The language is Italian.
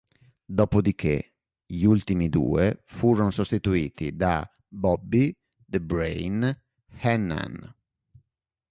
Dopo di che, gli ultimi due furono sostituiti da Bobby "The Brain" Heenan.